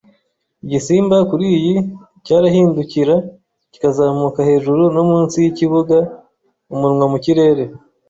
Igisimba, kuriyi, cyarahindukira kikazamuka hejuru no munsi yikibuga, umunwa mu kirere.